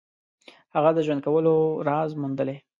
هغه د ژوند کولو راز موندلی.